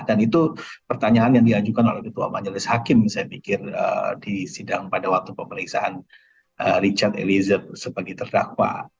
dan itu pertanyaan yang diajukan oleh ketua majelis hakim saya pikir di sidang pada waktu pemeriksaan richard eliezer sebagai terdakwa